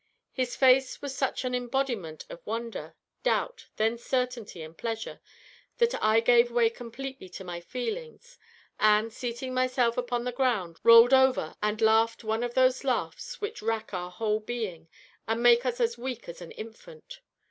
His face was such an embodiment of wonder, doubt, then certainty and pleasure, that I gave way completely to my feelings, and, seating myself upon the ground rolled over and laughed one of those laughs which rack our whole being, and make us as weak as an infant.